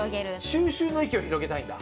収集の域を広げたいんだ。